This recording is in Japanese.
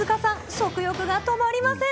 食欲が止まりません。